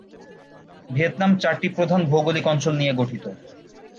Vietnam চারটি প্রধান ভৌগোলিক অঞ্চল নিয়ে গঠিত।